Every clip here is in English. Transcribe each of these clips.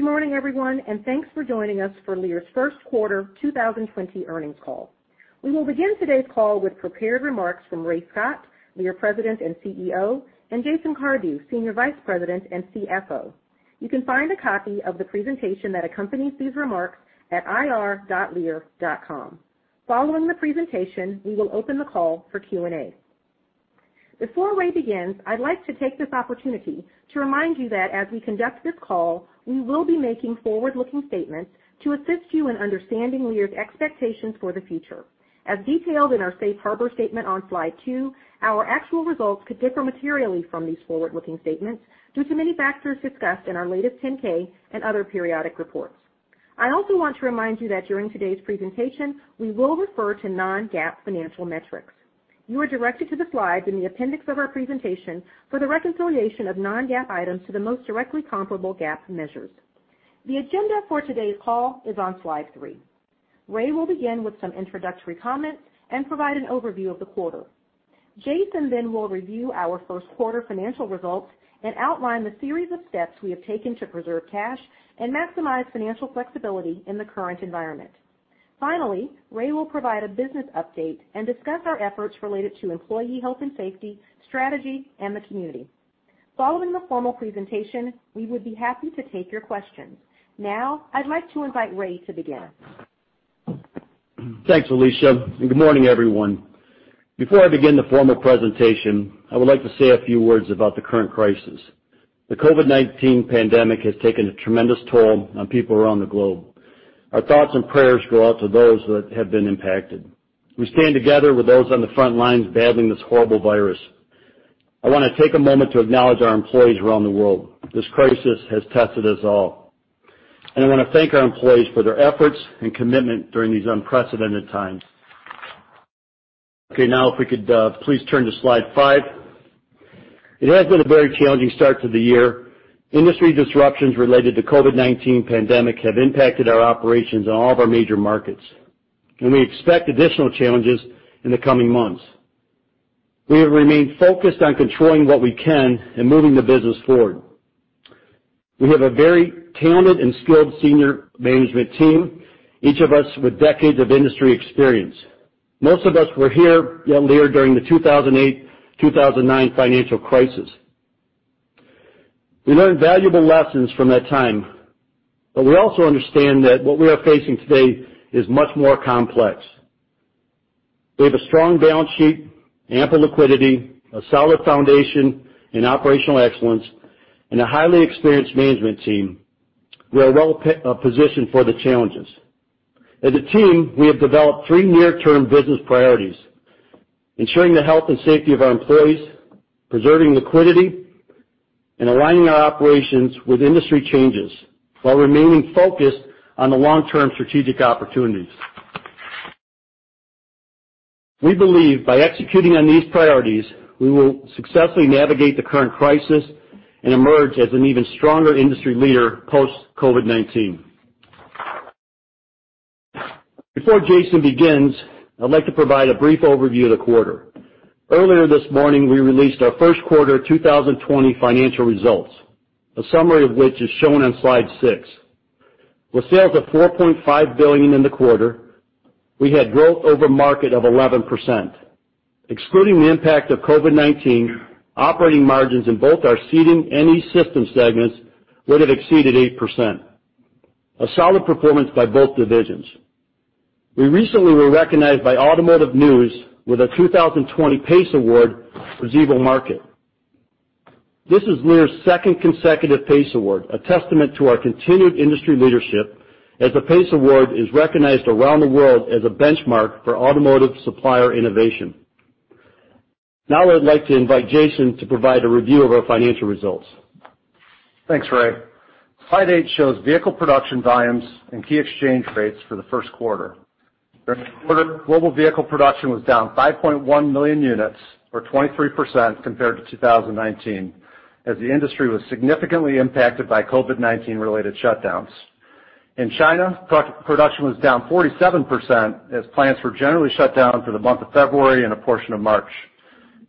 Good morning, everyone, and thanks for joining us for Lear's first quarter 2020 earnings call. We will begin today's call with prepared remarks from Ray Scott, Lear President and CEO, and Jason Cardew, Senior Vice President and CFO. You can find a copy of the presentation that accompanies these remarks at ir.lear.com. Following the presentation, we will open the call for Q&A. Before Ray begins, I'd like to take this opportunity to remind you that as we conduct this call, we will be making forward-looking statements to assist you in understanding Lear's expectations for the future. As detailed in our safe harbor statement on Slide two, our actual results could differ materially from these forward-looking statements due to many factors discussed in our latest Form 10-K and other periodic reports. I also want to remind you that during today's presentation, we will refer to non-GAAP financial metrics. You are directed to the slides in the appendix of our presentation for the reconciliation of non-GAAP items to the most directly comparable GAAP measures. The agenda for today's call is on slide three. Ray will begin with some introductory comments and provide an overview of the quarter. Jason will review our first quarter financial results and outline the series of steps we have taken to preserve cash and maximize financial flexibility in the current environment. Finally, Ray will provide a business update and discuss our efforts related to employee health and safety, strategy, and the community. Following the formal presentation, we would be happy to take your questions. Now, I'd like to invite Ray to begin. Thanks, Alicia, and good morning, everyone. Before I begin the formal presentation, I would like to say a few words about the current crisis. The COVID-19 pandemic has taken a tremendous toll on people around the globe. Our thoughts and prayers go out to those that have been impacted. We stand together with those on the front lines battling this horrible virus. I want to take a moment to acknowledge our employees around the world. This crisis has tested us all, and I want to thank our employees for their efforts and commitment during these unprecedented times. Now, if we could please turn to slide five. It has been a very challenging start to the year. Industry disruptions related to COVID-19 pandemic have impacted our operations in all of our major markets, and we expect additional challenges in the coming months. We have remained focused on controlling what we can and moving the business forward. We have a very talented and skilled senior management team, each of us with decades of industry experience. Most of us were here at Lear during the 2008, 2009 financial crisis. We learned valuable lessons from that time, but we also understand that what we are facing today is much more complex. We have a strong balance sheet, ample liquidity, a solid foundation in operational excellence, and a highly experienced management team. We are well-positioned for the challenges. As a team, we have developed three near-term business priorities, ensuring the health and safety of our employees, preserving liquidity, and aligning our operations with industry changes while remaining focused on the long-term strategic opportunities. We believe by executing on these priorities, we will successfully navigate the current crisis and emerge as an even stronger industry leader post-COVID-19. Before Jason begins, I'd like to provide a brief overview of the quarter. Earlier this morning, we released our first quarter 2020 financial results, a summary of which is shown on slide six. With sales of $4.5 billion in the quarter, we had growth over market of 11%. Excluding the impact of COVID-19, operating margins in both our seating and E-Systems segments would have exceeded 8%, a solid performance by both divisions. We recently were recognized by Automotive News with a 2020 PACE Award for Xevo Market. This is Lear's second consecutive PACE Award, a testament to our continued industry leadership as the PACE Award is recognized around the world as a benchmark for automotive supplier innovation. I would like to invite Jason to provide a review of our financial results. Thanks, Ray. Slide eight shows vehicle production volumes and key exchange rates for the first quarter. During the quarter, global vehicle production was down 5.1 million units or 23% compared to 2019, as the industry was significantly impacted by COVID-19 related shutdowns. In China, production was down 47% as plants were generally shut down for the month of February and a portion of March.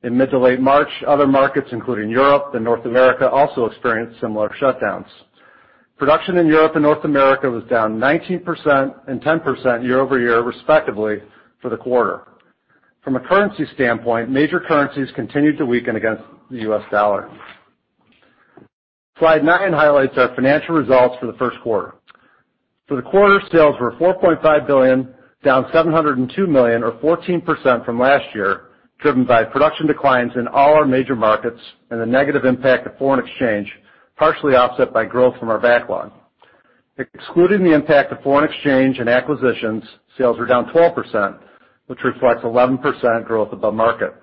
In mid to late March, other markets, including Europe and North America, also experienced similar shutdowns. Production in Europe and North America was down 19% and 10% year-over-year, respectively, for the quarter. From a currency standpoint, major currencies continued to weaken against the US dollar. Slide nine highlights our financial results for the first quarter. For the quarter, sales were $4.5 billion, down $702 million or 14% from last year, driven by production declines in all our major markets and the negative impact of foreign exchange, partially offset by growth from our backlog. Excluding the impact of foreign exchange and acquisitions, sales were down 12%, which reflects 11% growth above market.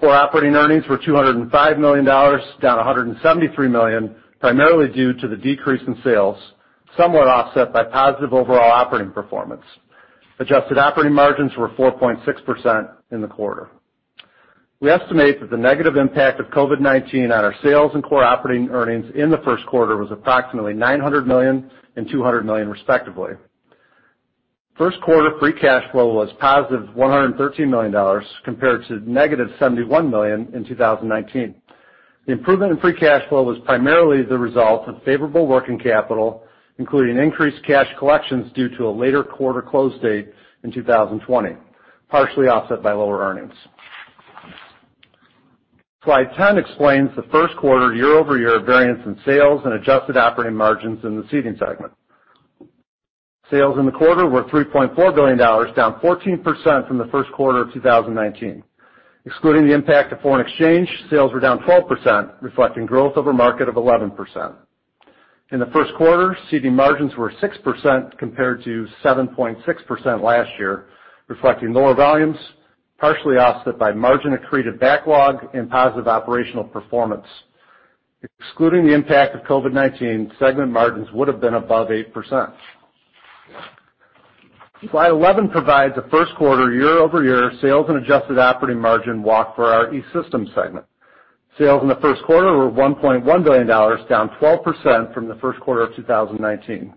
Core operating earnings were $205 million, down $173 million, primarily due to the decrease in sales, somewhat offset by positive overall operating performance. Adjusted operating margins were 4.6% in the quarter. We estimate that the negative impact of COVID-19 on our sales and core operating earnings in the first quarter was approximately $900 million and $200 million respectively. First quarter free cash flow was positive $113 million compared to -$71 million in 2019. The improvement in free cash flow was primarily the result of favorable working capital, including increased cash collections due to a later quarter close date in 2020, partially offset by lower earnings. Slide 10 explains the first quarter year-over-year variance in sales and adjusted operating margins in the seating segment. Sales in the quarter were $3.4 billion, down 14% from the first quarter of 2019. Excluding the impact of foreign exchange, sales were down 12%, reflecting growth over market of 11%. In the first quarter, seating margins were 6% compared to 7.6% last year, reflecting lower volumes, partially offset by margin accretive backlog and positive operational performance. Excluding the impact of COVID-19, segment margins would have been above 8%. Slide 11 provides a first quarter year-over-year sales and adjusted operating margin walk for our E-Systems segment. Sales in the first quarter were $1.1 billion, down 12% from the first quarter of 2019.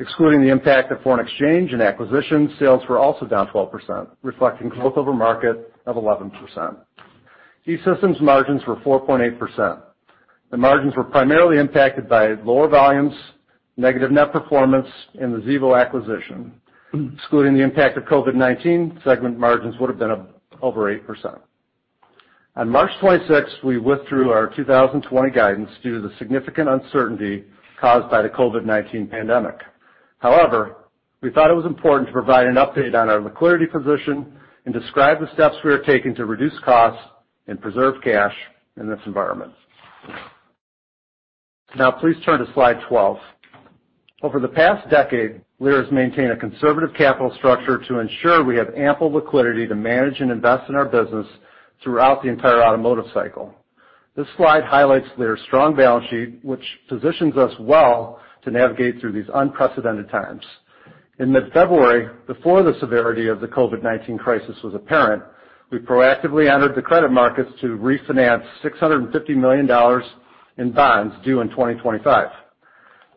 Excluding the impact of foreign exchange and acquisition, sales were also down 12%, reflecting growth over market of 11%. E-Systems margins were 4.8%. The margins were primarily impacted by lower volumes, negative net performance, and the Xevo acquisition. Excluding the impact of COVID-19, segment margins would have been over 8%. On March 26th, we withdrew our 2020 guidance due to the significant uncertainty caused by the COVID-19 pandemic. However, we thought it was important to provide an update on our liquidity position and describe the steps we are taking to reduce costs and preserve cash in this environment. Now please turn to slide 12. Over the past decade, Lear has maintained a conservative capital structure to ensure we have ample liquidity to manage and invest in our business throughout the entire automotive cycle. This slide highlights Lear's strong balance sheet, which positions us well to navigate through these unprecedented times. In mid-February, before the severity of the COVID-19 crisis was apparent, we proactively entered the credit markets to refinance $650 million in bonds due in 2025.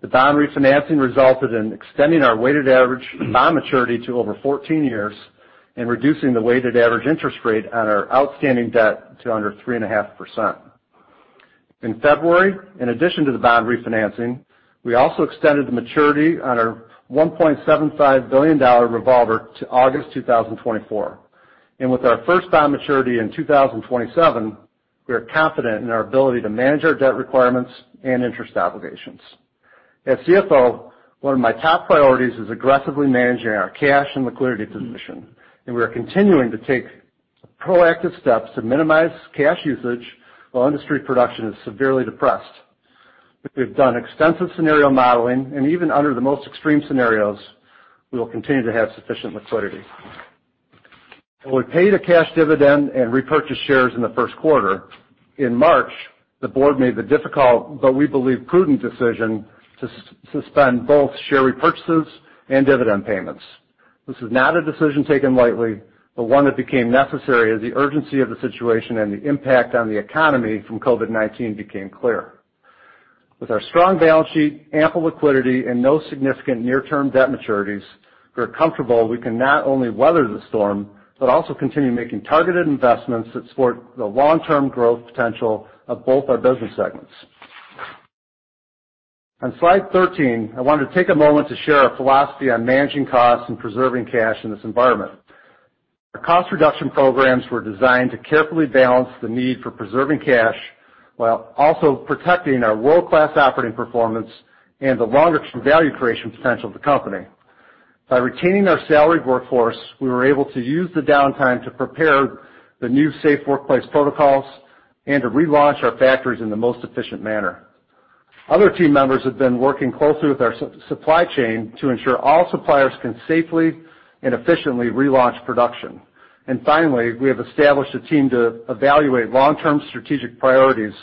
The bond refinancing resulted in extending our weighted average bond maturity to over 14 years and reducing the weighted average interest rate on our outstanding debt to under 3.5%. In February, in addition to the bond refinancing, we also extended the maturity on our $1.75 billion revolver to August 2024. With our first bond maturity in 2027, we are confident in our ability to manage our debt requirements and interest obligations. As CFO, one of my top priorities is aggressively managing our cash and liquidity position, and we are continuing to take proactive steps to minimize cash usage while industry production is severely depressed. We've done extensive scenario modeling, and even under the most extreme scenarios, we will continue to have sufficient liquidity. While we paid a cash dividend and repurchased shares in the first quarter, in March, the board made the difficult, but we believe prudent decision, to suspend both share repurchases and dividend payments. This is not a decision taken lightly, but one that became necessary as the urgency of the situation and the impact on the economy from COVID-19 became clear. With our strong balance sheet, ample liquidity, and no significant near-term debt maturities, we're comfortable we can not only weather the storm, but also continue making targeted investments that support the long-term growth potential of both our business segments. On slide 13, I wanted to take a moment to share our philosophy on managing costs and preserving cash in this environment. Our cost reduction programs were designed to carefully balance the need for preserving cash while also protecting our world-class operating performance and the long-term value creation potential of the company. By retaining our salaried workforce, we were able to use the downtime to prepare the new safe workplace protocols and to relaunch our factories in the most efficient manner. Other team members have been working closely with our supply chain to ensure all suppliers can safely and efficiently relaunch production. Finally, we have established a team to evaluate long-term strategic priorities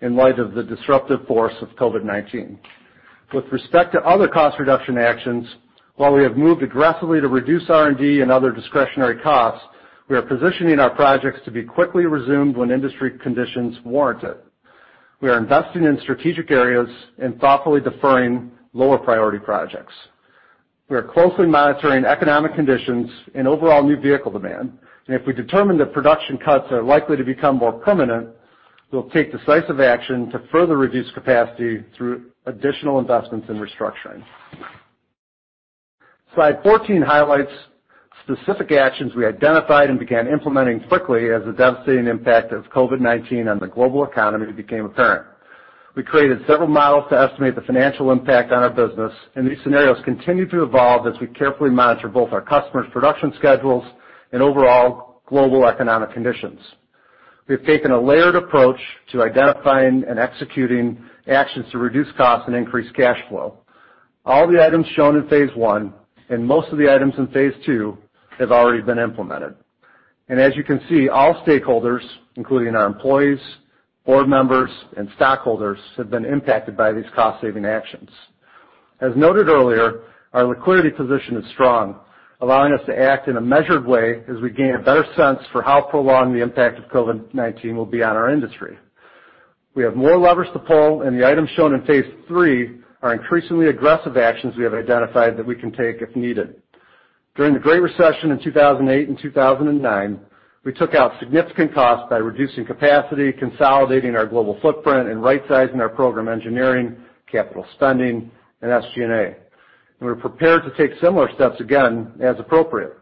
in light of the disruptive force of COVID-19. With respect to other cost reduction actions, while we have moved aggressively to reduce R&D and other discretionary costs, we are positioning our projects to be quickly resumed when industry conditions warrant it. We are investing in strategic areas and thoughtfully deferring lower priority projects. We are closely monitoring economic conditions and overall new vehicle demand, and if we determine that production cuts are likely to become more permanent, we'll take decisive action to further reduce capacity through additional investments in restructuring. Slide 14 highlights specific actions we identified and began implementing quickly as the devastating impact of COVID-19 on the global economy became apparent. We created several models to estimate the financial impact on our business, and these scenarios continue to evolve as we carefully monitor both our customers' production schedules and overall global economic conditions. We have taken a layered approach to identifying and executing actions to reduce costs and increase cash flow. All the items shown in phase I and most of the items in phase II have already been implemented. As you can see, all stakeholders, including our employees, board members, and stockholders, have been impacted by these cost-saving actions. As noted earlier, our liquidity position is strong, allowing us to act in a measured way as we gain a better sense for how prolonged the impact of COVID-19 will be on our industry. We have more levers to pull, the items shown in phase three are increasingly aggressive actions we have identified that we can take if needed. During the Great Recession in 2008 and 2009, we took out significant costs by reducing capacity, consolidating our global footprint, and rightsizing our program engineering, capital spending and SG&A. We're prepared to take similar steps again as appropriate.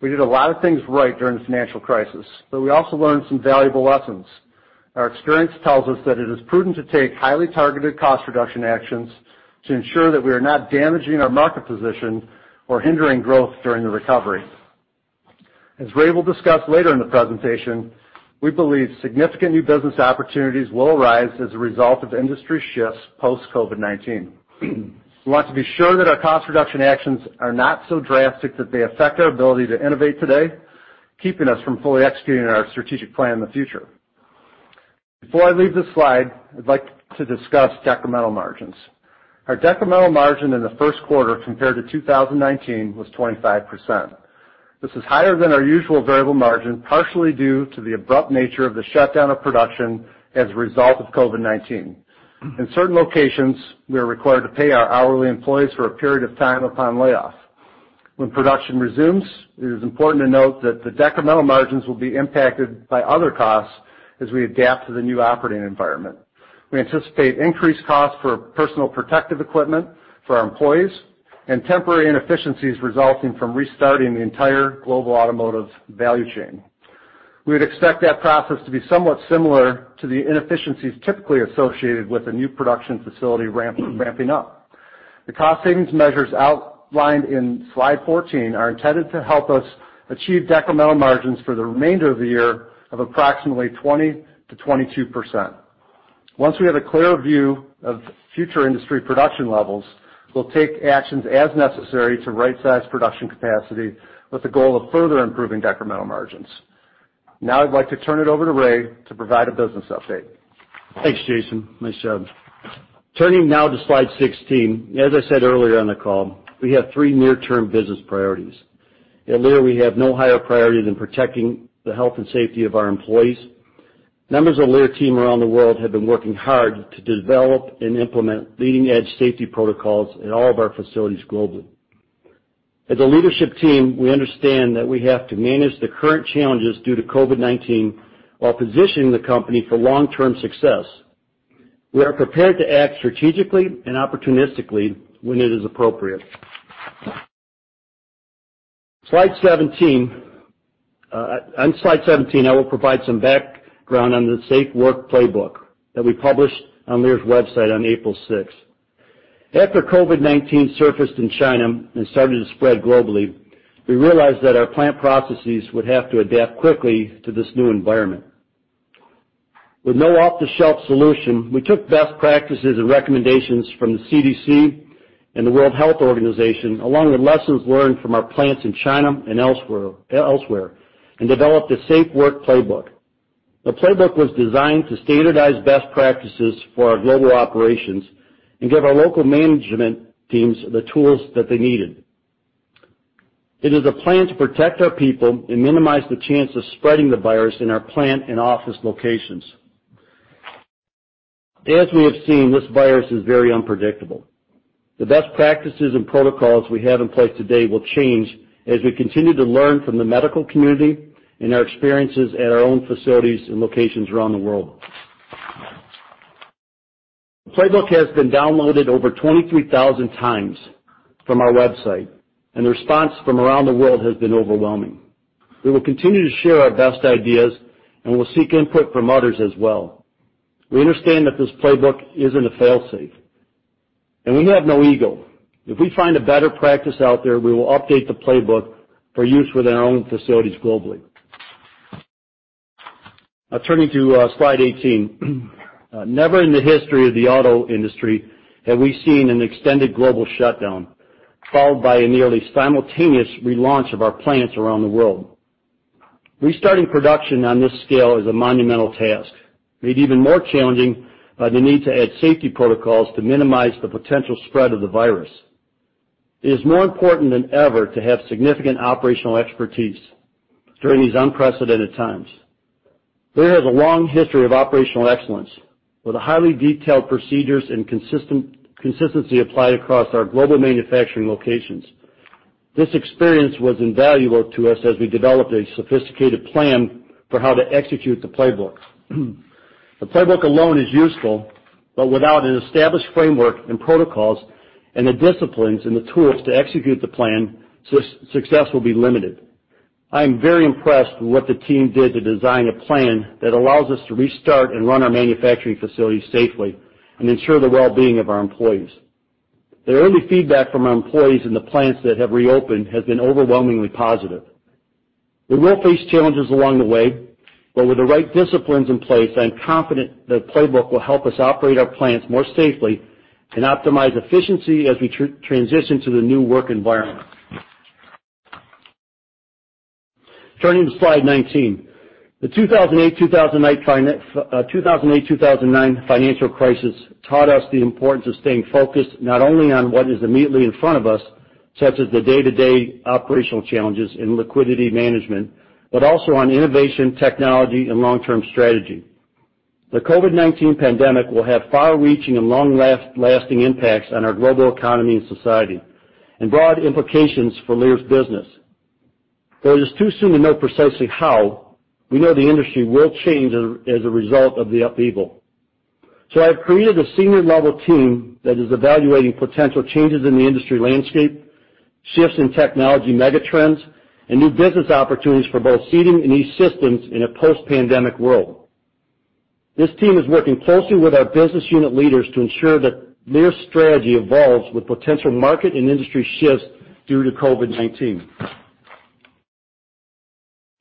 We did a lot of things right during the financial crisis, we also learned some valuable lessons. Our experience tells us that it is prudent to take highly targeted cost reduction actions to ensure that we are not damaging our market position or hindering growth during the recovery. As Ray will discuss later in the presentation, we believe significant new business opportunities will arise as a result of industry shifts post-COVID-19. We want to be sure that our cost reduction actions are not so drastic that they affect our ability to innovate today, keeping us from fully executing our strategic plan in the future. Before I leave this slide, I'd like to discuss decremental margins. Our decremental margin in the first quarter compared to 2019 was 25%. This is higher than our usual variable margin, partially due to the abrupt nature of the shutdown of production as a result of COVID-19. In certain locations, we are required to pay our hourly employees for a period of time upon layoff. When production resumes, it is important to note that the decremental margins will be impacted by other costs as we adapt to the new operating environment. We anticipate increased costs for personal protective equipment for our employees and temporary inefficiencies resulting from restarting the entire global automotive value chain. We would expect that process to be somewhat similar to the inefficiencies typically associated with a new production facility ramping up. The cost savings measures outlined in slide 14 are intended to help us achieve decremental margins for the remainder of the year of approximately 20%-22%. Once we have a clearer view of future industry production levels, we'll take actions as necessary to rightsize production capacity with the goal of further improving decremental margins. Now I'd like to turn it over to Ray to provide a business update. Thanks, Jason. Nice job. Turning now to slide 16. As I said earlier on the call, we have three near-term business priorities. At Lear, we have no higher priority than protecting the health and safety of our employees. Members of Lear team around the world have been working hard to develop and implement leading-edge safety protocols in all of our facilities globally. As a leadership team, we understand that we have to manage the current challenges due to COVID-19 while positioning the company for long-term success. We are prepared to act strategically and opportunistically when it is appropriate. On slide 17, I will provide some background on the Safe Work Playbook that we published on Lear's website on April 6th. After COVID-19 surfaced in China and started to spread globally, we realized that our plant processes would have to adapt quickly to this new environment. With no off-the-shelf solution, we took best practices and recommendations from the CDC and the World Health Organization, along with lessons learned from our plants in China and elsewhere, and developed a Safe Work Playbook. The playbook was designed to standardize best practices for our global operations and give our local management teams the tools that they needed. It is a plan to protect our people and minimize the chance of spreading the virus in our plant and office locations. As we have seen, this virus is very unpredictable. The best practices and protocols we have in place today will change as we continue to learn from the medical community and our experiences at our own facilities and locations around the world. The playbook has been downloaded over 23,000x from our website, and the response from around the world has been overwhelming. We will continue to share our best ideas, and we'll seek input from others as well. We understand that this playbook isn't a fail-safe, and we have no ego. If we find a better practice out there, we will update the playbook for use with our own facilities globally. Now turning to slide 18. Never in the history of the auto industry have we seen an extended global shutdown followed by a nearly simultaneous relaunch of our plants around the world. Restarting production on this scale is a monumental task, made even more challenging by the need to add safety protocols to minimize the potential spread of the virus. It is more important than ever to have significant operational expertise during these unprecedented times. Lear has a long history of operational excellence with highly detailed procedures and consistency applied across our global manufacturing locations. This experience was invaluable to us as we developed a sophisticated plan for how to execute the Playbook. The Playbook alone is useful, but without an established framework and protocols and the disciplines and the tools to execute the plan, success will be limited. I am very impressed with what the team did to design a plan that allows us to restart and run our manufacturing facilities safely and ensure the well-being of our employees. The early feedback from our employees in the plants that have reopened has been overwhelmingly positive. We will face challenges along the way, but with the right disciplines in place, I am confident the Playbook will help us operate our plants more safely and optimize efficiency as we transition to the new work environment. Turning to slide 19. The 2008-2009 financial crisis taught us the importance of staying focused not only on what is immediately in front of us. Such as the day-to-day operational challenges in liquidity management, but also on innovation, technology, and long-term strategy. The COVID-19 pandemic will have far-reaching and long-lasting impacts on our global economy and society and broad implications for Lear's business. Though it is too soon to know precisely how, we know the industry will change as a result of the upheaval. I've created a senior-level team that is evaluating potential changes in the industry landscape, shifts in technology megatrends, and new business opportunities for both seating and E-Systems in a post-pandemic world. This team is working closely with our business unit leaders to ensure that Lear's strategy evolves with potential market and industry shifts due to COVID-19.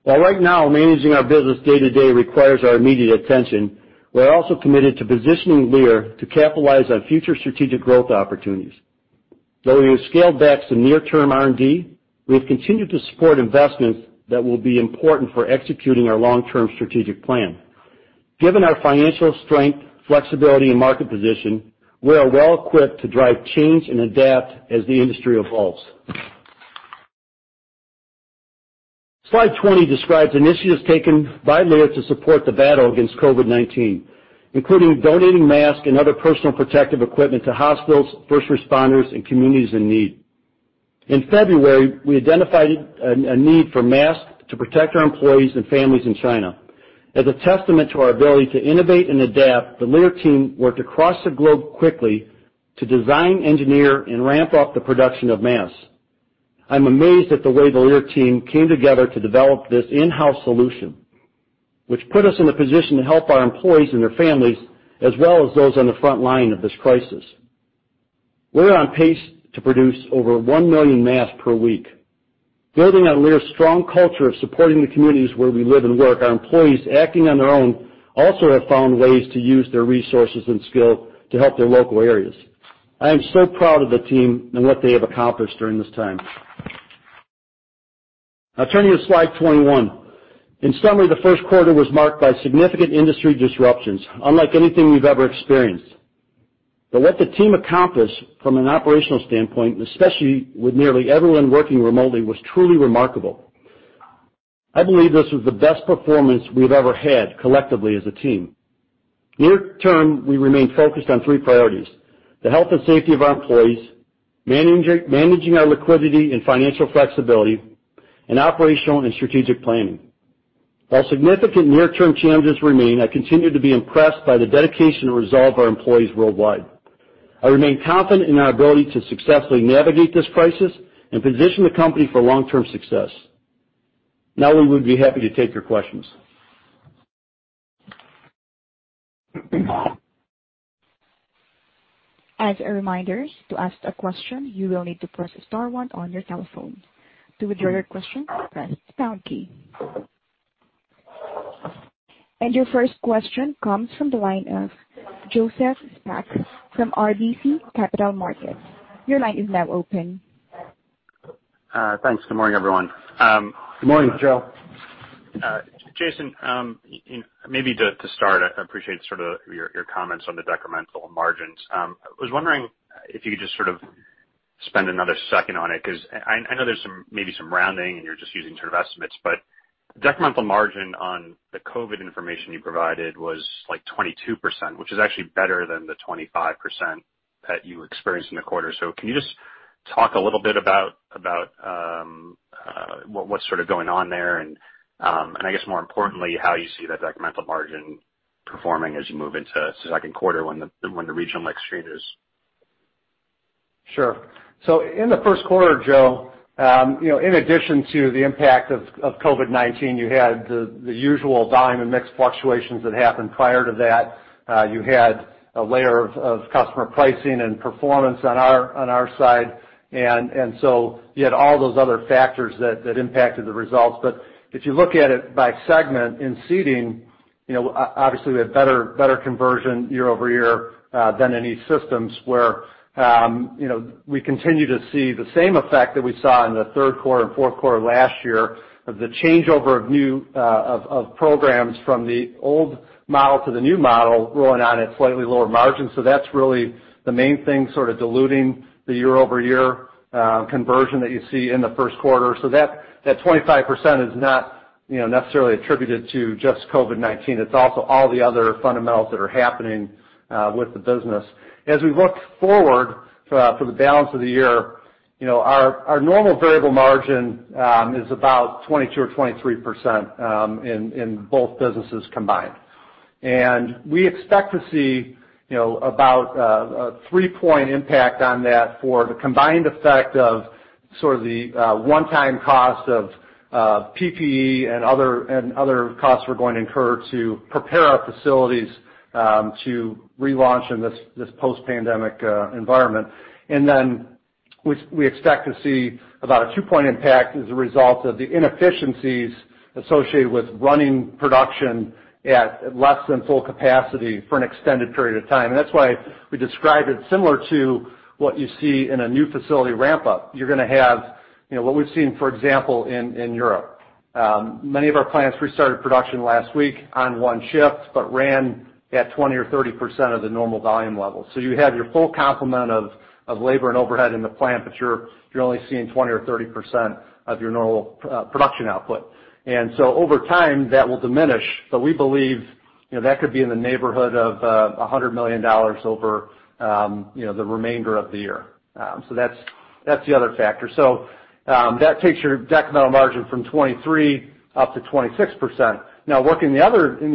While right now managing our business day to day requires our immediate attention, we're also committed to positioning Lear to capitalize on future strategic growth opportunities. We have scaled back some near-term R&D, we have continued to support investments that will be important for executing our long-term strategic plan. Given our financial strength, flexibility, and market position, we are well-equipped to drive change and adapt as the industry evolves. Slide 20 describes initiatives taken by Lear to support the battle against COVID-19, including donating masks and other personal protective equipment to hospitals, first responders, and communities in need. In February, we identified a need for masks to protect our employees and families in China. As a testament to our ability to innovate and adapt, the Lear team worked across the globe quickly to design, engineer, and ramp up the production of masks. I'm amazed at the way the Lear team came together to develop this in-house solution, which put us in the position to help our employees and their families, as well as those on the front line of this crisis. We're on pace to produce over 1 million masks per week. Building on Lear's strong culture of supporting the communities where we live and work, our employees, acting on their own, also have found ways to use their resources and skill to help their local areas. I am so proud of the team and what they have accomplished during this time. Now turning to slide 21. In summary, the first quarter was marked by significant industry disruptions, unlike anything we've ever experienced. What the team accomplished from an operational standpoint, especially with nearly everyone working remotely, was truly remarkable. I believe this was the best performance we've ever had collectively as a team. Near term, we remain focused on three priorities, the health and safety of our employees, managing our liquidity and financial flexibility, and operational and strategic planning. While significant near-term challenges remain, I continue to be impressed by the dedication and resolve of our employees worldwide. I remain confident in our ability to successfully navigate this crisis and position the company for long-term success. We would be happy to take your questions. As a reminder, to ask a question, you will need to press star one on your telephone. To withdraw your question, press the pound key. Your first question comes from the line of Joseph Spak from RBC Capital Markets. Your line is now open. Thanks. Good morning, everyone. Good morning, Joe. Jason, maybe to start, I appreciate sort of your comments on the decremental margins. I was wondering if you could just sort of spend another second on it, because I know there's maybe some rounding and you're just using sort of estimates, but decremental margin on the COVID-19 information you provided was like 22%, which is actually better than the 25% that you experienced in the quarter. Can you just talk a little bit about what's sort of going on there and I guess more importantly, how you see that decremental margin performing as you move into second quarter when the regional extreme is-? Sure. In the first quarter, Joe, in addition to the impact of COVID-19, you had the usual volume and mix fluctuations that happened prior to that. You had a layer of customer pricing and performance on our side. You had all those other factors that impacted the results. If you look at it by segment in seating, obviously we had better conversion year-over-year, than E-Systems where we continue to see the same effect that we saw in the third quarter and fourth quarter last year of the changeover of new, of programs from the old model to the new model rolling out at slightly lower margins. That's really the main thing sort of diluting the year-over-year conversion that you see in the first quarter. That 25% is not necessarily attributed to just COVID-19. It's also all the other fundamentals that are happening with the business. As we look forward for the balance of the year, our normal variable margin is about 22% or 23% in both businesses combined. We expect to see about a 3-point impact on that for the combined effect of sort of the one-time cost of PPE and other costs we're going to incur to prepare our facilities to relaunch in this post-pandemic environment. Then we expect to see about a 2-point impact as a result of the inefficiencies associated with running production at less than full capacity for an extended period of time. That's why we described it similar to what you see in a new facility ramp-up. You're going to have what we've seen, for example, in Europe. Many of our plants restarted production last week on one shift, but ran at 20% or 30% of the normal volume level. You have your full complement of labor and overhead in the plant, but you're only seeing 20% or 30% of your normal production output. Over time, that will diminish. We believe that could be in the neighborhood of $100 million over the remainder of the year. That's the other factor. That takes your decremental margin from 23% up to 26%. Now, working in the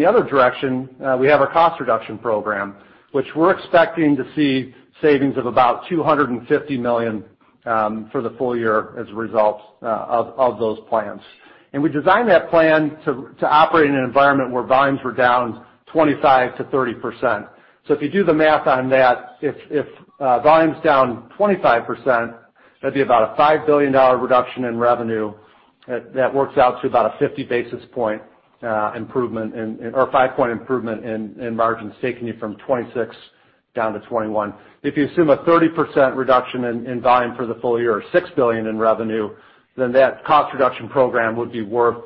other direction, we have our cost reduction program, which we're expecting to see savings of about $250 million for the full-year as a result of those plans. We designed that plan to operate in an environment where volumes were down 25%-30%. If you do the math on that, if volume's down 25%, that'd be about a $5 billion reduction in revenue. That works out to about a 50 basis point improvement or a 5-point improvement in margins, taking you from 26% down to 21%. If you assume a 30% reduction in volume for the full-year or $6 billion in revenue, then that cost reduction program would be worth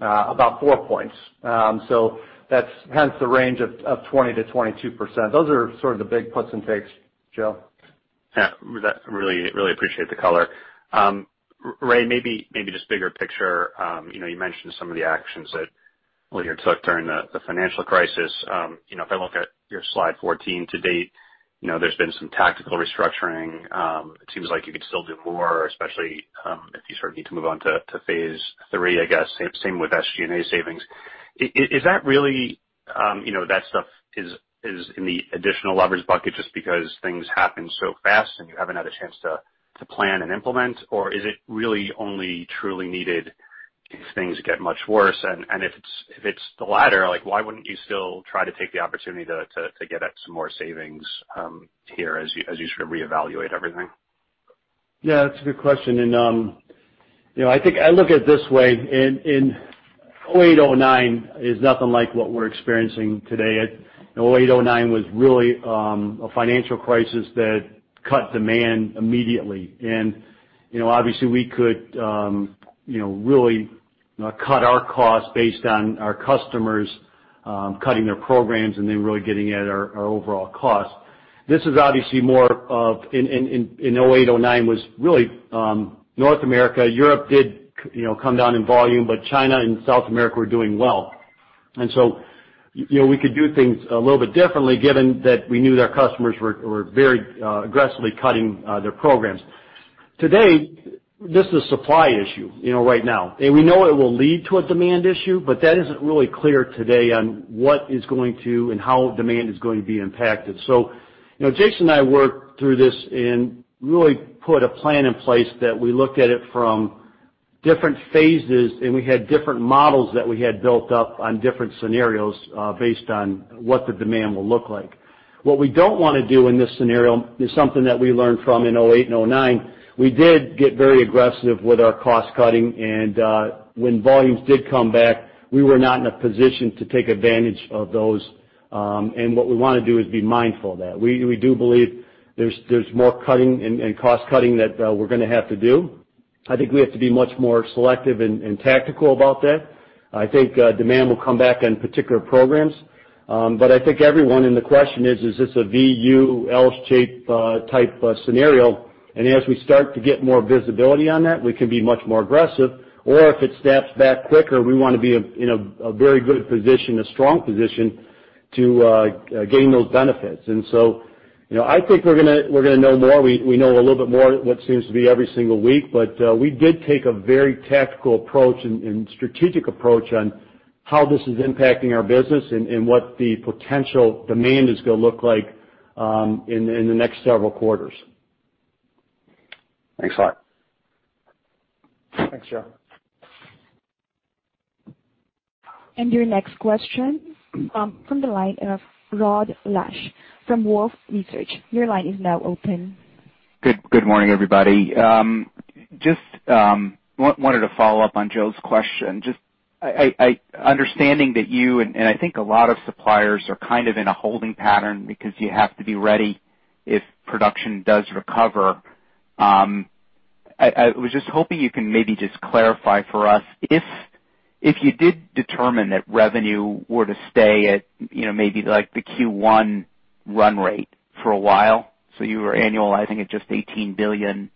about four points. Hence the range of 20%-22%. Those are sort of the big puts and takes, Joe. Yeah. Really appreciate the color. Ray, maybe just bigger picture. You mentioned some of the actions that Lear took during the financial crisis. If I look at your slide 14 to date, there's been some tactical restructuring. It seems like you could still do more, especially if you sort of need to move on to phase III, I guess. Same with SG&A savings. Is that stuff in the additional leverage bucket just because things happen so fast and you haven't had a chance to plan and implement? Or is it really only truly needed if things get much worse? If it's the latter, why wouldn't you still try to take the opportunity to get at some more savings here as you sort of reevaluate everything? Yeah, that's a good question. I look at it this way. 2008, 2009 is nothing like what we're experiencing today. 2008, 2009 was really a financial crisis that cut demand immediately. Obviously we could really cut our costs based on our customers cutting their programs and then really getting at our overall cost. This is obviously in 2008, 2009 was really North America. Europe did come down in volume, but China and South America were doing well. We could do things a little bit differently given that we knew their customers were very aggressively cutting their programs. Today, this is a supply issue right now. We know it will lead to a demand issue, but that isn't really clear today on how demand is going to be impacted. Jason and I worked through this and really put a plan in place that we looked at it from different phases, and we had different models that we had built up on different scenarios based on what the demand will look like. What we don't want to do in this scenario is something that we learned from in 2008 and 2009. We did get very aggressive with our cost cutting, and when volumes did come back, we were not in a position to take advantage of those. What we want to do is be mindful of that. We do believe there's more cutting and cost cutting that we're going to have to do. I think we have to be much more selective and tactical about that. I think demand will come back in particular programs. The question is: Is this a V-U-L shape type scenario? As we start to get more visibility on that, we can be much more aggressive. If it snaps back quicker, we want to be in a very good position, a strong position to gain those benefits. I think we're going to know more. We know a little bit more what seems to be every single week. We did take a very tactical approach and strategic approach on how this is impacting our business and what the potential demand is going to look like in the next several quarters. Thanks a lot. Thanks, Joe. Your next question come from the line of Rod Lache from Wolfe Research. Your line is now open. Good morning, everybody. Just wanted to follow up on Joe's question. Understanding that you and I think a lot of suppliers are kind of in a holding pattern because you have to be ready if production does recover. I was just hoping you can maybe just clarify for us if you did determine that revenue were to stay at maybe like the Q1 run rate for a while, so you were annualizing at just $18 billion.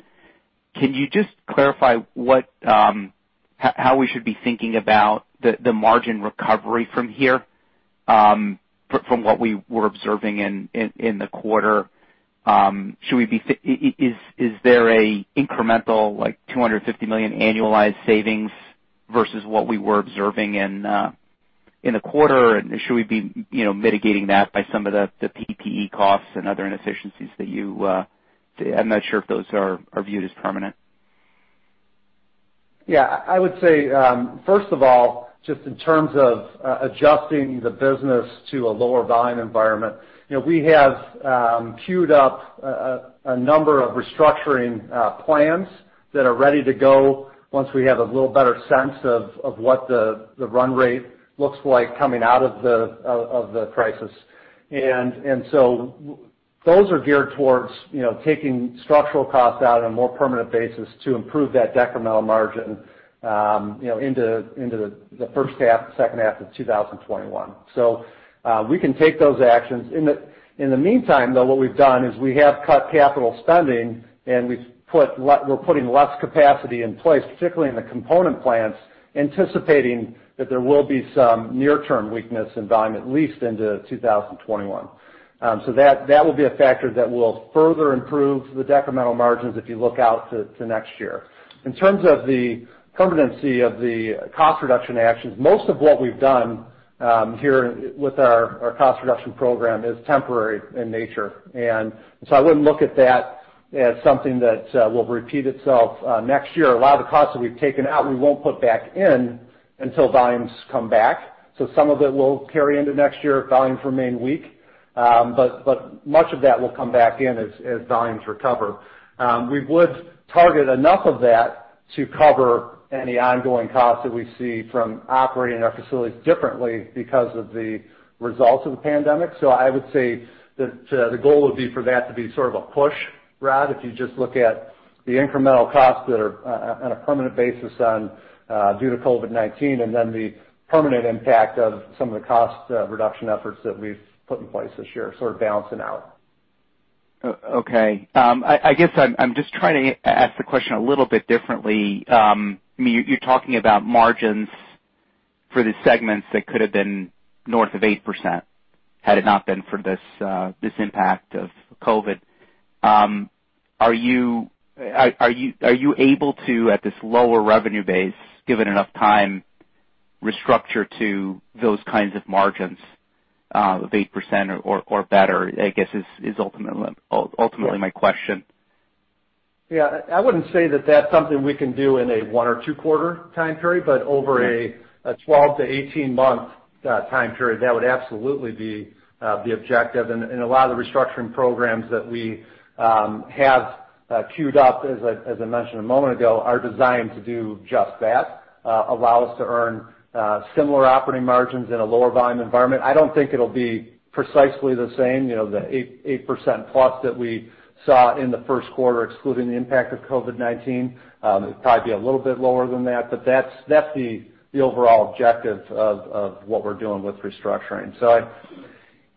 Can you just clarify how we should be thinking about the margin recovery from here from what we were observing in the quarter? Is there an incremental like $250 million annualized savings versus what we were observing in the quarter? Should we be mitigating that by some of the PPE costs and other inefficiencies? I'm not sure if those are viewed as permanent. Yeah, I would say first of all, just in terms of adjusting the business to a lower volume environment, we have queued up a number of restructuring plans that are ready to go once we have a little better sense of what the run rate looks like coming out of the crisis. Those are geared towards taking structural costs out on a more permanent basis to improve that decremental margin into the first half, second half of 2021. We can take those actions. In the meantime, though, what we've done is we have cut capital spending, and we're putting less capacity in place, particularly in the component plants, anticipating that there will be some near-term weakness in volume, at least into 2021. That will be a factor that will further improve the decremental margins if you look out to next year. In terms of the permanency of the cost reduction actions, most of what we've done here with our cost reduction program is temporary in nature. I wouldn't look at that as something that will repeat itself next year. A lot of the costs that we've taken out, we won't put back in until volumes come back. Some of it will carry into next year if volumes remain weak. Much of that will come back in as volumes recover. We would target enough of that to cover any ongoing costs that we see from operating our facilities differently because of the results of the pandemic. I would say that the goal would be for that to be sort of a push, Brad, if you just look at the incremental costs that are on a permanent basis due to COVID-19, and then the permanent impact of some of the cost reduction efforts that we've put in place this year sort of balancing out. Okay. I guess I'm just trying to ask the question a little bit differently. You're talking about margins for the segments that could have been north of 8% had it not been for this impact of COVID. Are you able to, at this lower revenue base, given enough time, restructure to those kinds of margins of 8% or better, I guess is ultimately my question. Yeah. I wouldn't say that that's something we can do in a one or two quarter time period, but over a 12 to 18 month time period, that would absolutely be the objective. A lot of the restructuring programs that we have queued up, as I mentioned a moment ago, are designed to do just that, allow us to earn similar operating margins in a lower volume environment. I don't think it'll be precisely the same, the 8%+ that we saw in the first quarter, excluding the impact of COVID-19. It would probably be a little bit lower than that, but that's the overall objective of what we're doing with restructuring.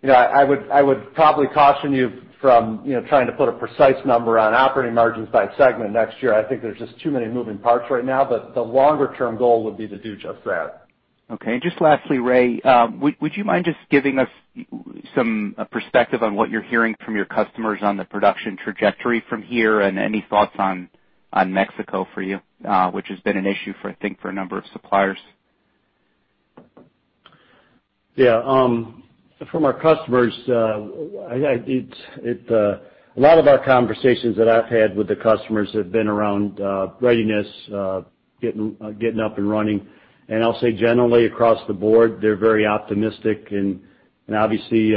I would probably caution you from trying to put a precise number on operating margins by segment next year. I think there's just too many moving parts right now. The longer term goal would be to do just that. Okay. Just lastly, Ray, would you mind just giving us some perspective on what you're hearing from your customers on the production trajectory from here and any thoughts on Mexico for you, which has been an issue, I think, for a number of suppliers? Yeah. From our customers, a lot of our conversations that I've had with the customers have been around readiness, getting up and running. I'll say generally across the board, they're very optimistic and obviously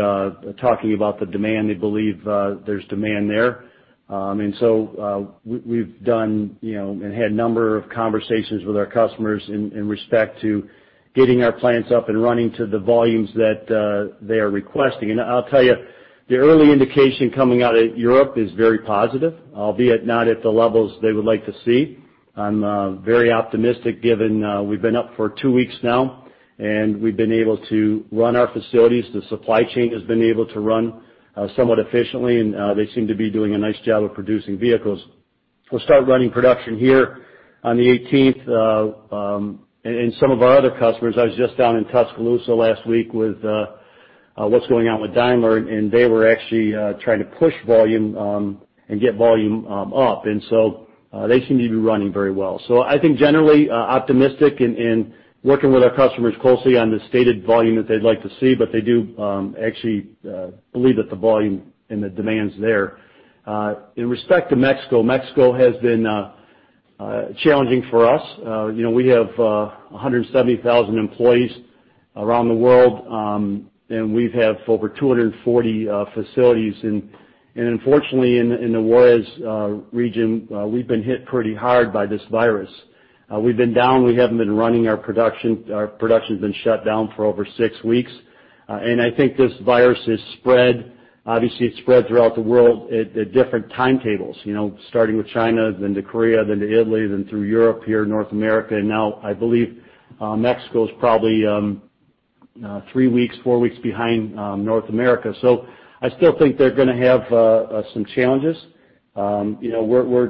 talking about the demand. They believe there's demand there. We've done and had a number of conversations with our customers in respect to getting our plants up and running to the volumes that they are requesting. I'll tell you, the early indication coming out of Europe is very positive, albeit not at the levels they would like to see. I'm very optimistic given we've been up for two weeks now, and we've been able to run our facilities. The supply chain has been able to run somewhat efficiently, and they seem to be doing a nice job of producing vehicles. We'll start running production here on the 18th. Some of our other customers, I was just down in Tuscaloosa last week with what's going on with Daimler, they were actually trying to push volume and get volume up. They seem to be running very well. I think generally optimistic and working with our customers closely on the stated volume that they'd like to see, but they do actually believe that the volume and the demand's there. In respect to Mexico has been challenging for us. We have 170,000 employees around the world, and we have over 240 facilities. Unfortunately, in the Juarez region, we've been hit pretty hard by this virus. We've been down. We haven't been running our production. Our production's been shut down for over six weeks. I think this virus has spread. It spread throughout the world at different timetables, starting with China, then to Korea, then to Italy, then through Europe, here, North America. Now I believe Mexico is probably three weeks, four weeks behind North America. I still think they're going to have some challenges. We're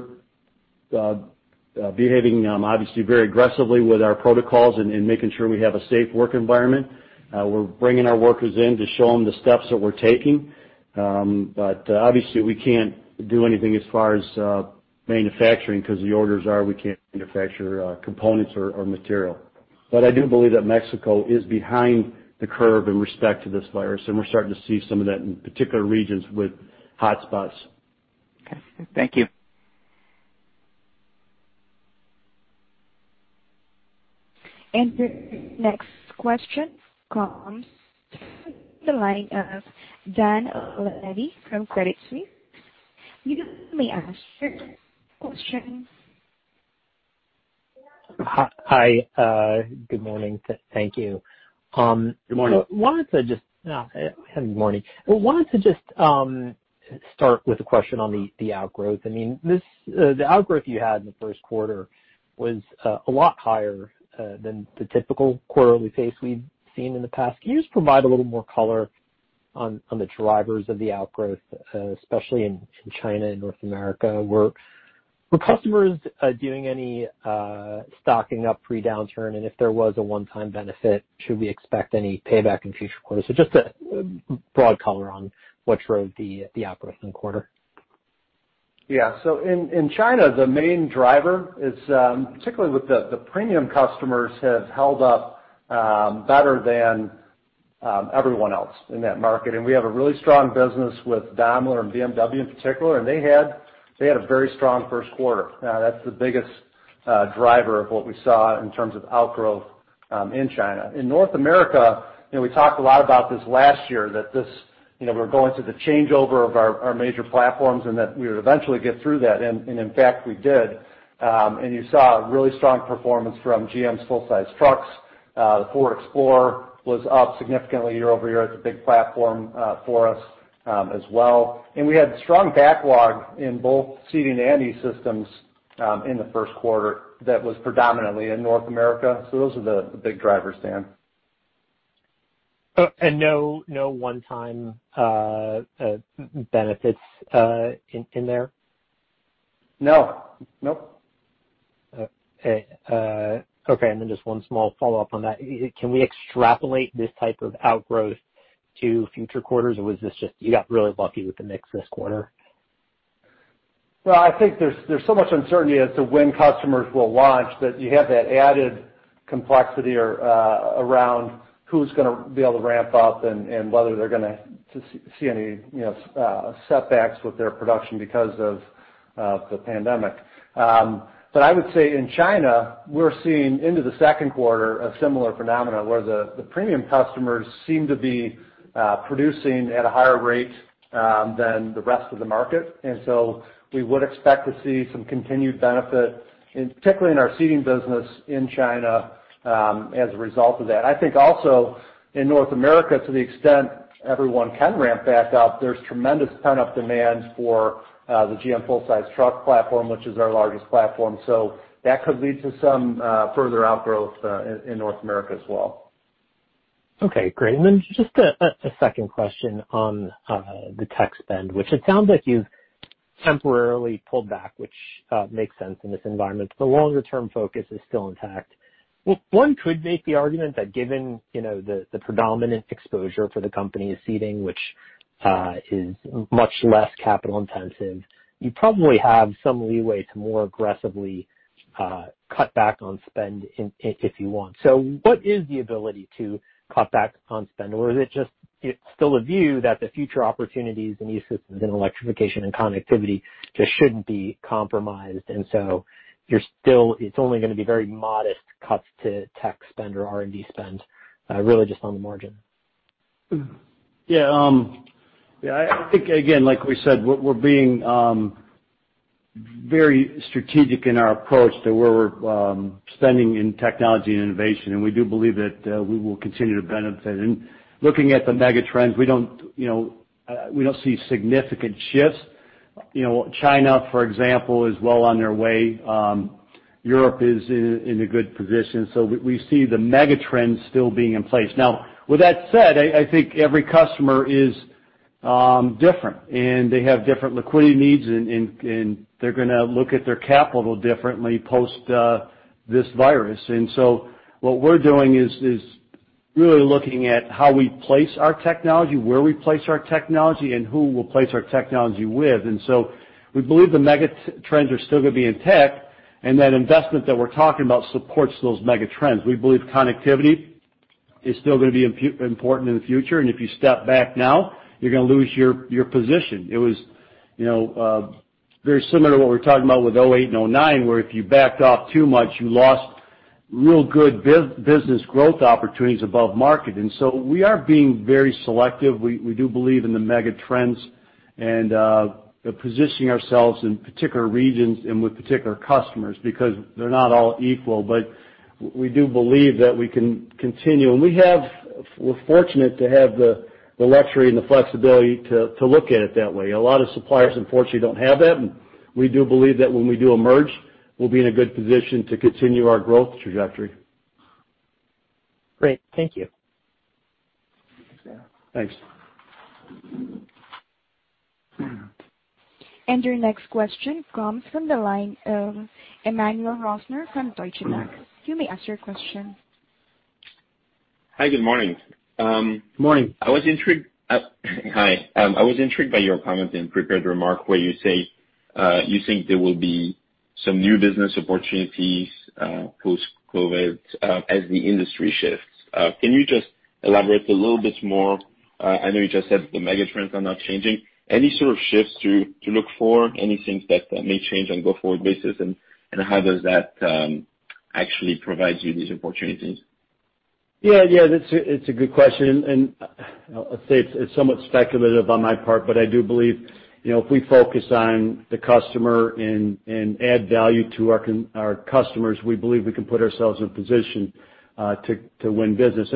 behaving obviously very aggressively with our protocols and making sure we have a safe work environment. We're bringing our workers in to show them the steps that we're taking. Obviously we can't do anything as far as manufacturing because the orders are we can't manufacture components or material. I do believe that Mexico is behind the curve in respect to this virus, and we're starting to see some of that in particular regions with hotspots. Okay. Thank you. The next question comes from the line of Dan Levy from Credit Suisse. You may ask your question. Hi. Good morning. Thank you. Good morning. I wanted to just start with a question on the outgrowth. The outgrowth you had in the first quarter was a lot higher than the typical quarterly pace we've seen in the past. Can you just provide a little more color on the drivers of the outgrowth, especially in China and North America, where customers are doing any stocking up pre-downturn, and if there was a one-time benefit, should we expect any payback in future quarters? Just a broad color on what drove the outgrowth in the quarter. Yeah. In China, the main driver is particularly with the premium customers have held up better than everyone else in that market. We have a really strong business with Daimler and BMW in particular, and they had a very strong first quarter. That's the biggest driver of what we saw in terms of outgrowth in China. In North America, we talked a lot about this last year, that we were going through the changeover of our major platforms and that we would eventually get through that, in fact, we did. You saw a really strong performance from GM's full-size trucks. The Ford Explorer was up significantly year-over-year. It's a big platform for us as well. We had strong backlog in both seating and E-Systems in the first quarter that was predominantly in North America. Those are the big drivers, Dan. No one-time benefits in there? No. Okay. Just one small follow-up on that. Can we extrapolate this type of outgrowth to future quarters, or was this just you got really lucky with the mix this quarter? I think there's so much uncertainty as to when customers will launch that you have that added complexity around who's going to be able to ramp up and whether they're going to see any setbacks with their production because of the pandemic. I would say in China, we're seeing into the second quarter a similar phenomenon where the premium customers seem to be producing at a higher rate than the rest of the market. We would expect to see some continued benefit, particularly in our seating business in China, as a result of that. I think also in North America, to the extent everyone can ramp back up, there's tremendous pent-up demand for the GM full-size truck platform, which is our largest platform. That could lead to some further outgrowth in North America as well. Okay, great. Just a second question on the tech spend, which it sounds like you've temporarily pulled back, which makes sense in this environment, but longer term focus is still intact. Well, one could make the argument that given the predominant exposure for the company is seating, which is much less capital intensive, you probably have some leeway to more aggressively cut back on spend if you want. What is the ability to cut back on spend? Is it just still a view that the future opportunities in E-Systems and electrification and connectivity just shouldn't be compromised, and it's only going to be very modest cuts to tech spend or R&D spend, really just on the margin? Yeah. I think, again, like we said, we're being very strategic in our approach to where we're spending in technology and innovation, and we do believe that we will continue to benefit. Looking at the mega trends, we don't see significant shifts. China, for example, is well on their way. Europe is in a good position. We see the mega trends still being in place. Now, with that said, I think every customer is different, and they have different liquidity needs, and they're going to look at their capital differently post this virus. What we're doing is really looking at how we place our technology, where we place our technology, and who we'll place our technology with. We believe the mega trends are still going to be in tech, and that investment that we're talking about supports those mega trends. We believe connectivity is still going to be important in the future, and if you step back now, you're going to lose your position. It was very similar to what we're talking about with 2008 and 2009, where if you backed off too much, you lost real good business growth opportunities above market. We are being very selective. We do believe in the mega trends and positioning ourselves in particular regions and with particular customers because they're not all equal, but we do believe that we can continue. We're fortunate to have the luxury and the flexibility to look at it that way. A lot of suppliers unfortunately don't have that, and we do believe that when we do emerge, we'll be in a good position to continue our growth trajectory. Great. Thank you. Thanks. Your next question comes from the line of Emmanuel Rosner from Deutsche Bank. You may ask your question. Hi, good morning. Morning. Hi. I was intrigued by your comment in prepared remark where you say you think there will be some new business opportunities post-COVID as the industry shifts. Can you just elaborate a little bit more? I know you just said the mega trends are not changing. Any sort of shifts to look for, any things that may change on go forward basis, and how does that actually provide you these opportunities? Yeah, it's a good question, and I'll say it's somewhat speculative on my part, but I do believe if we focus on the customer and add value to our customers, we believe we can put ourselves in position to win business.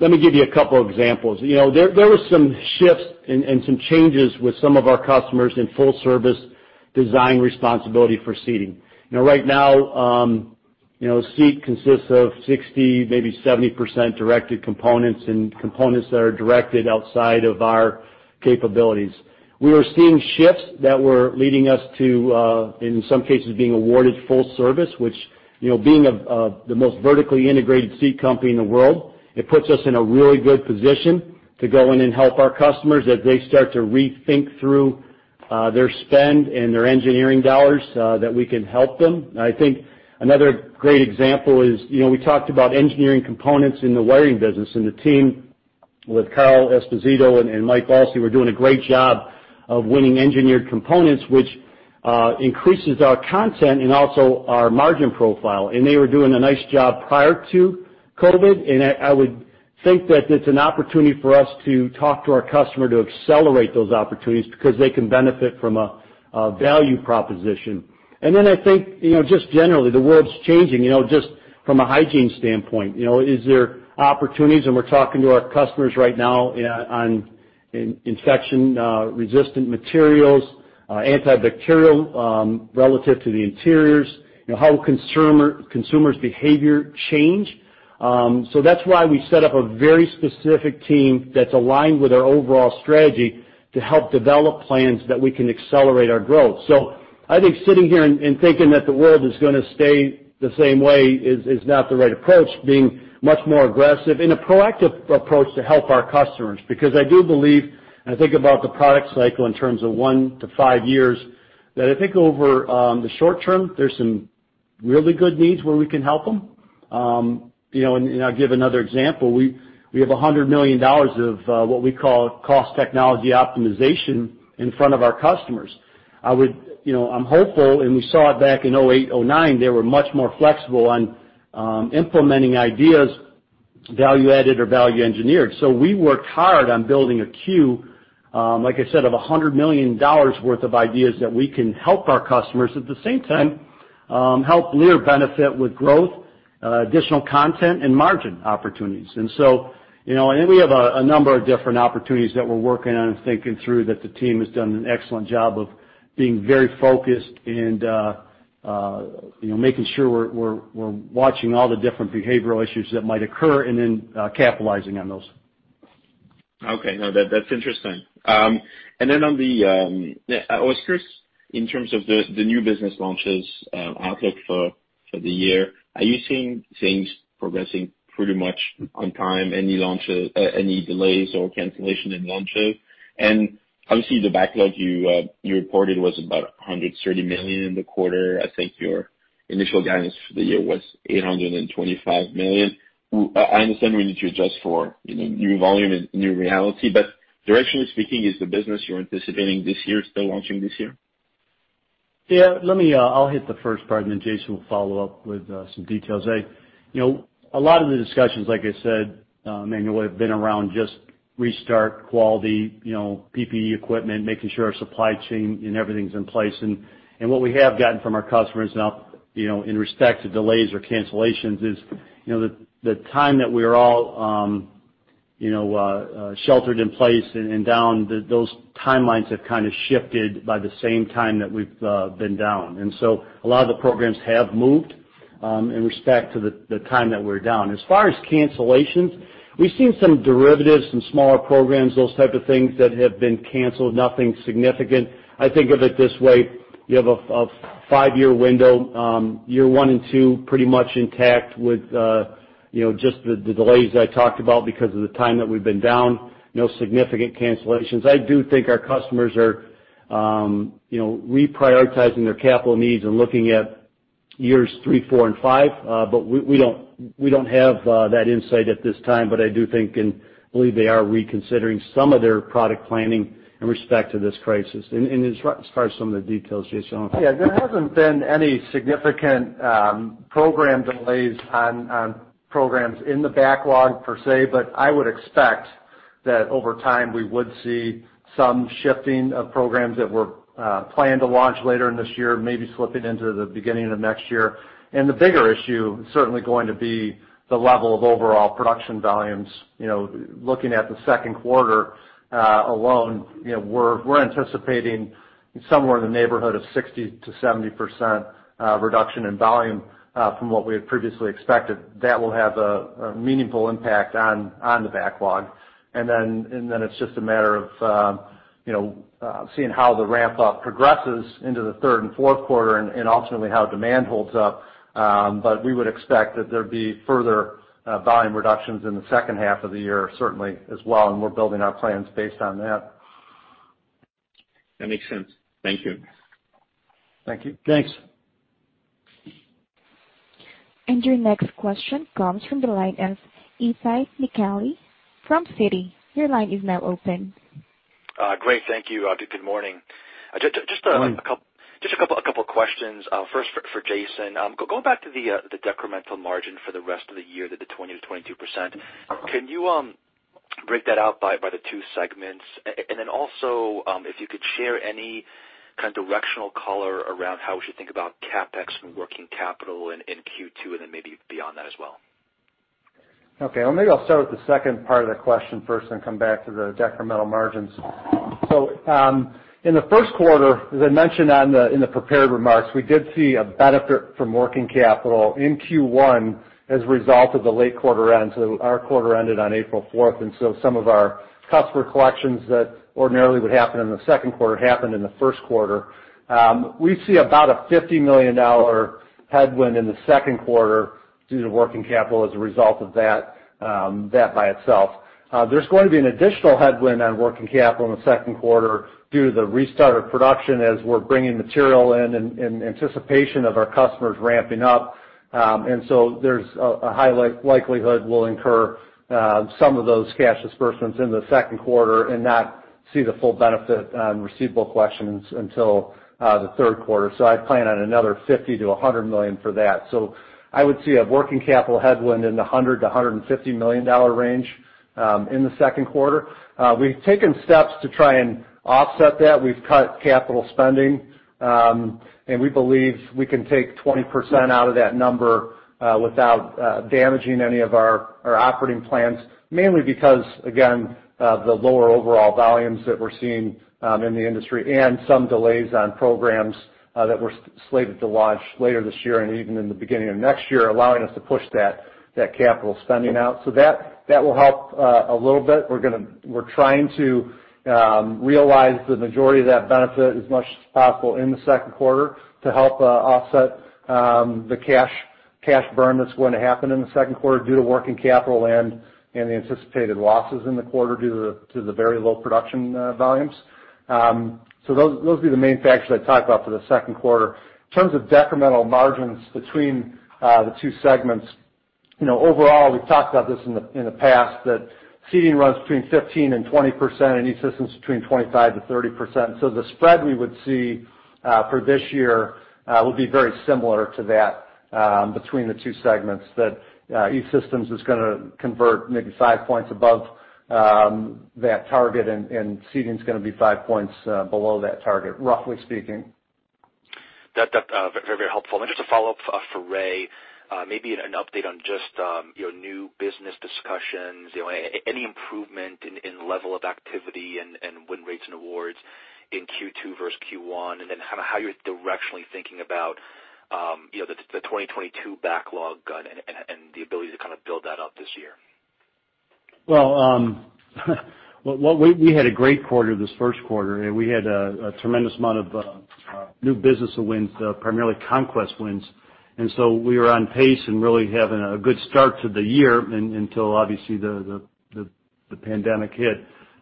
Let me give you a couple examples. There was some shifts and some changes with some of our customers in full service design responsibility for seating. Right now, seat consists of 60%, maybe 70% directed components and components that are directed outside of our capabilities. We were seeing shifts that were leading us to, in some cases, being awarded full service, which being the most vertically integrated seat company in the world, it puts us in a really good position to go in and help our customers as they start to rethink through their spend and their engineering dollars, that we can help them. I think another great example is, we talked about engineering components in the wiring business, the team with Carl Esposito and Mike Balsei were doing a great job of winning engineered components, which increases our content and also our margin profile. They were doing a nice job prior to COVID, I would think that it's an opportunity for us to talk to our customer to accelerate those opportunities because they can benefit from a value proposition. I think, just generally, the world's changing. Just from a hygiene standpoint, is there opportunities. We're talking to our customers right now on infection-resistant materials, antibacterial relative to the interiors. How will consumers' behavior change? That's why we set up a very specific team that's aligned with our overall strategy to help develop plans that we can accelerate our growth. I think sitting here and thinking that the world is going to stay the same way is not the right approach. Being much more aggressive in a proactive approach to help our customers. I do believe, and I think about the product cycle in terms of 1-5 years, that I think over the short term, there's some really good needs where we can help them. I'll give another example. We have $100 million of what we call cost technology optimization in front of our customers. I'm hopeful, and we saw it back in 2008, 2009, they were much more flexible on implementing ideas, value added or value engineered. We worked hard on building a queue, like I said, of $100 million worth of ideas that we can help our customers. At the same time, help Lear benefit with growth, additional content, and margin opportunities. We have a number of different opportunities that we're working on and thinking through that the team has done an excellent job of being very focused and making sure we're watching all the different behavioral issues that might occur and then capitalizing on those. Okay. No, that's interesting. On the-- I was curious in terms of the new business launches outlook for the year. Are you seeing things progressing pretty much on time? Any delays or cancellation in launches? Obviously, the backlog you reported was about $130 million in the quarter. I think your initial guidance for the year was $825 million. I understand we need to adjust for new volume and new reality, but directionally speaking, is the business you're anticipating this year still launching this year? Yeah. I'll hit the first part, then Jason will follow up with some details. A lot of the discussions, like I said, Manuel, have been around just restart, quality, PPE equipment, making sure our supply chain and everything's in place. What we have gotten from our customers now in respect to delays or cancellations is the time that we are all sheltered in place and down, those timelines have kind of shifted by the same time that we've been down. A lot of the programs have moved in respect to the time that we're down. As far as cancellations, we've seen some derivatives, some smaller programs, those type of things that have been canceled, nothing significant. I think of it this way. You have a five-year window. Year one and two pretty much intact with just the delays that I talked about because of the time that we've been down. No significant cancellations. I do think our customers are reprioritizing their capital needs and looking at years three, four, and five. But we don't have that insight at this time, but I do think and believe they are reconsidering some of their product planning in respect to this crisis. As far as some of the details, Jason. Yeah, there hasn't been any significant program delays on programs in the backlog per se. I would expect that over time we would see some shifting of programs that were planned to launch later in this year, maybe slipping into the beginning of next year. The bigger issue is certainly going to be the level of overall production volumes. Looking at the second quarter alone, we're anticipating somewhere in the neighborhood of 60% to 70% reduction in volume from what we had previously expected. That will have a meaningful impact on the backlog. It's just a matter of seeing how the ramp-up progresses into the third and fourth quarter and ultimately how demand holds up. We would expect that there'd be further volume reductions in the second half of the year, certainly as well, and we're building our plans based on that. That makes sense. Thank you. Thank you. Thanks. Your next question comes from the line of Itay Michaeli from Citi. Your line is now open. Great. Thank you. Good morning. Just a couple of questions. First for Jason. Going back to the decremental margin for the rest of the year, the 20%-22%, can you break that out by the two segments? Also, if you could share any kind of directional color around how we should think about CapEx and working capital in Q2, then maybe beyond that as well. Okay. Maybe I'll start with the second part of the question first, then come back to the decremental margins. In the first quarter, as I mentioned in the prepared remarks, we did see a benefit from working capital in Q1 as a result of the late quarter end. Our quarter ended on April 4th, and so some of our customer collections that ordinarily would happen in the second quarter happened in the first quarter. We see about a $50 million headwind in the second quarter due to working capital as a result of that by itself. There's going to be an additional headwind on working capital in the second quarter due to the restart of production as we're bringing material in anticipation of our customers ramping up. There's a high likelihood we'll incur some of those cash disbursements in the second quarter and not see the full benefit on receivable collections until the third quarter. I plan on another $50 million-$100 million for that. I would see a working capital headwind in the $100 million-$150 million range in the second quarter. We've taken steps to try and offset that. We've cut capital spending, and we believe we can take 20% out of that number without damaging any of our operating plans. Mainly because, again, the lower overall volumes that we're seeing in the industry and some delays on programs that were slated to launch later this year and even in the beginning of next year, allowing us to push that capital spending out. That will help a little bit. We're trying to realize the majority of that benefit as much as possible in the second quarter to help offset the cash burn that's going to happen in the second quarter due to working capital and the anticipated losses in the quarter due to the very low production volumes. Those would be the main factors I'd talk about for the second quarter. In terms of decremental margins between the two segments, overall, we've talked about this in the past, that seating runs between 15%-20%, and E-Systems between 25%-30%. The spread we would see for this year will be very similar to that between the two segments, that E-Systems is going to convert maybe 5 points above that target, and seating is going to be 5 points below that target, roughly speaking. That's very helpful. Just a follow-up for Ray, maybe an update on just your new business discussions. Any improvement in level of activity and win rates and awards in Q2 versus Q1? How you're directionally thinking about the 2022 backlog and the ability to build that out this year. We had a great quarter this first quarter. We had a tremendous amount of new business wins, primarily conquest wins. We were on pace and really having a good start to the year until obviously the pandemic hit.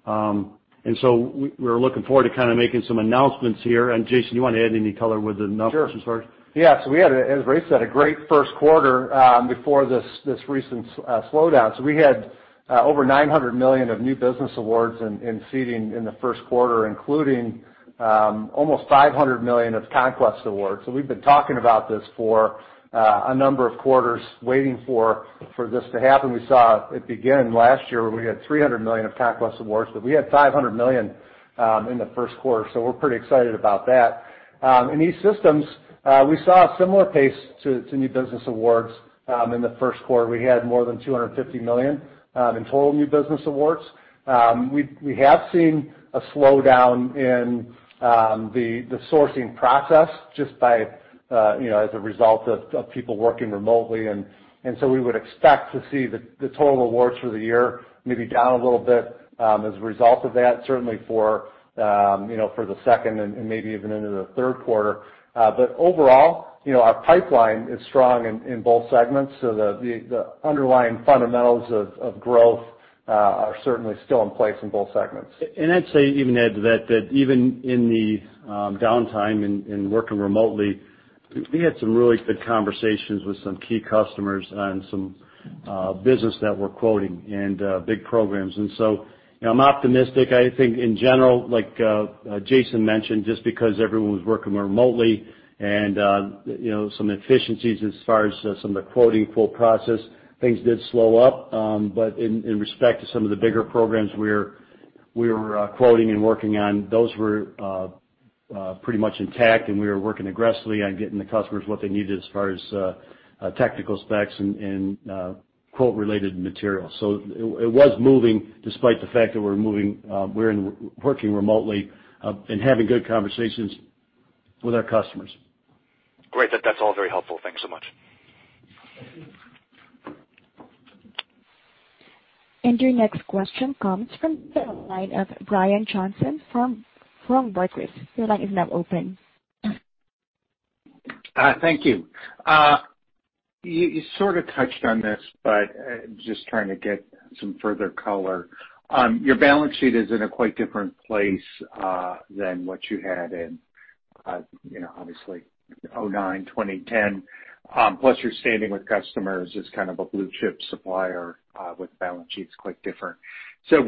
We're looking forward to making some announcements here. Jason, you want to add any color with the numbers? Sure. Yeah. We had, as Ray said, a great first quarter before this recent slowdown. We had over $900 million of new business awards in seating in the first quarter, including almost $500 million of conquest awards. We've been talking about this for a number of quarters, waiting for this to happen. We saw it begin last year where we had $300 million of conquest awards, but we had $500 million in the first quarter, so we're pretty excited about that. In E-Systems, we saw a similar pace to new business awards in the first quarter. We had more than $250 million in total new business awards. We have seen a slowdown in the sourcing process just as a result of people working remotely. We would expect to see the total awards for the year maybe down a little bit as a result of that, certainly for the second and maybe even into the third quarter. Overall, our pipeline is strong in both segments. The underlying fundamentals of growth are certainly still in place in both segments. I'd say even add to that even in the downtime in working remotely, we had some really good conversations with some key customers on some business that we're quoting and big programs. I'm optimistic. I think in general, like Jason mentioned, just because everyone was working remotely and some efficiencies as far as some of the quoting full process, things did slow up. In respect to some of the bigger programs we were quoting and working on, those were pretty much intact, and we were working aggressively on getting the customers what they needed as far as technical specs and quote related material. It was moving despite the fact that we're working remotely and having good conversations with our customers. Great. That's all very helpful. Thanks so much. Your next question comes from the line of Brian Johnson from Barclays. Your line is now open. Thank you. You sort of touched on this, but just trying to get some further color. Your balance sheet is in, obviously, 2009, 2010, plus you're standing with customers as kind of a blue-chip supplier with balance sheets quite different.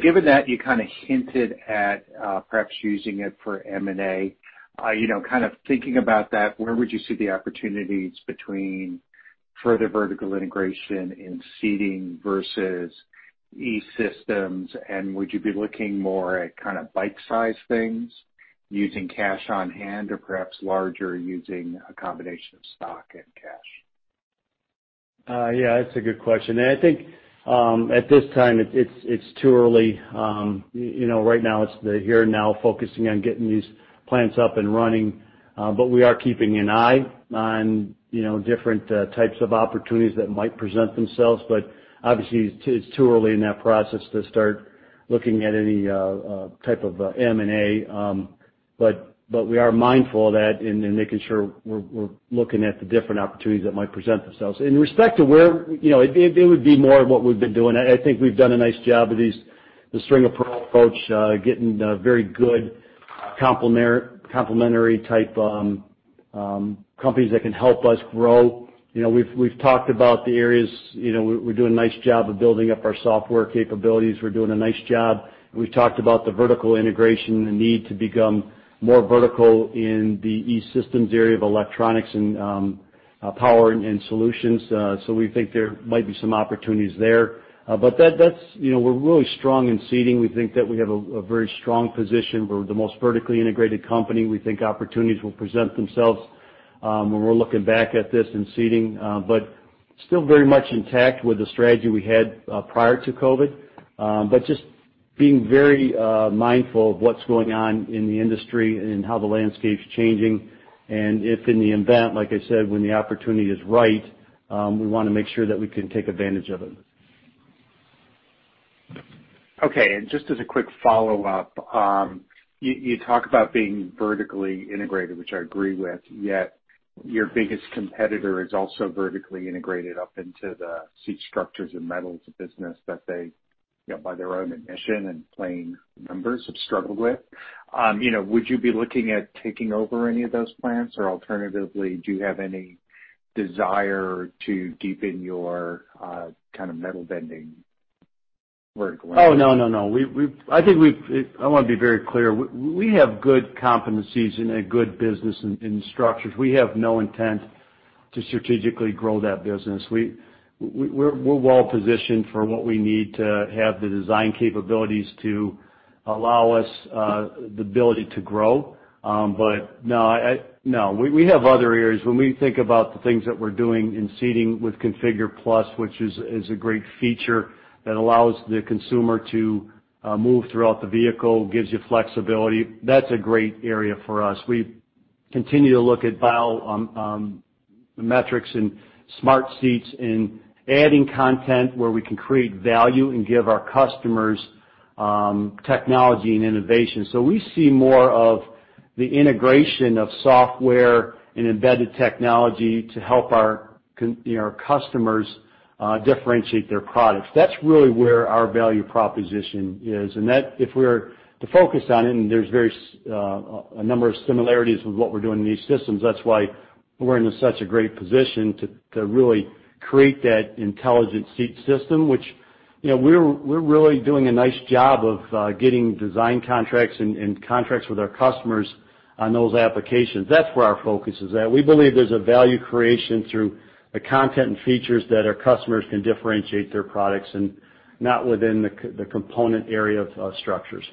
Given that you kind of hinted at perhaps using it for M&A, thinking about that, where would you see the opportunities between further vertical integration in seating versus E-Systems? And would you be looking more at kind of bite-size things using cash on hand or perhaps larger using a combination of stock and cash? Yeah, that's a good question. I think at this time it's too early. Right now it's the here and now focusing on getting these plants up and running. We are keeping an eye on different types of opportunities that might present themselves. Obviously it's too early in that process to start looking at any type of M&A. We are mindful of that and making sure we're looking at the different opportunities that might present themselves. In respect to where it would be more of what we've been doing. I think we've done a nice job of the string of pearl approach getting very good complementary type companies that can help us grow. We've talked about the areas. We're doing a nice job of building up our software capabilities. We're doing a nice job. We've talked about the vertical integration and the need to become more vertical in the E-Systems area of electronics and power and solutions. We think there might be some opportunities there. We're really strong in seating. We think that we have a very strong position. We're the most vertically integrated company. We think opportunities will present themselves when we're looking back at this in seating. Still very much intact with the strategy we had prior to COVID-19. Just being very mindful of what's going on in the industry and how the landscape's changing. If in the event, like I said, when the opportunity is right, we want to make sure that we can take advantage of it. Okay. Just as a quick follow-up. You talk about being vertically integrated, which I agree with, yet your biggest competitor is also vertically integrated up into the seat structures and metals business that they, by their own admission and plain numbers have struggled with. Would you be looking at taking over any of those plants or alternatively, do you have any desire to deepen your kind of metal bending vertically? Oh, no. I want to be very clear. We have good competencies and a good business in structures. We have no intent to strategically grow that business. We're well-positioned for what we need to have the design capabilities to allow us the ability to grow. No, we have other areas. When we think about the things that we're doing in seating with ConfigurE+, which is a great feature that allows the consumer to move throughout the vehicle, gives you flexibility, that's a great area for us. We continue to look at biometrics and smart seats and adding content where we can create value and give our customers technology and innovation. We see more of the integration of software and embedded technology to help our customers differentiate their products. That's really where our value proposition is. If we are to focus on it, and there's a number of similarities with what we're doing in E-Systems, that's why we're in such a great position to really create that intelligent seat system. Which we're really doing a nice job of getting design contracts and contracts with our customers on those applications. That's where our focus is at. We believe there's a value creation through the content and features that our customers can differentiate their products and not within the component area of structures.